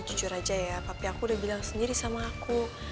jujur aja ya tapi aku udah bilang sendiri sama aku